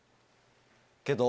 けど？